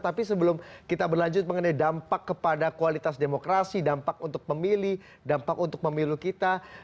tapi sebelum kita berlanjut mengenai dampak kepada kualitas demokrasi dampak untuk pemilih dampak untuk pemilu kita